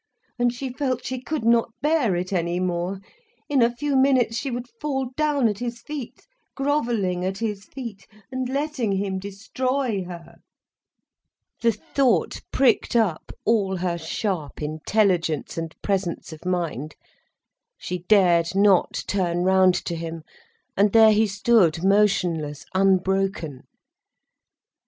And she felt she could not bear it any more, in a few minutes she would fall down at his feet, grovelling at his feet, and letting him destroy her. The thought pricked up all her sharp intelligence and presence of mind. She dared not turn round to him—and there he stood motionless, unbroken.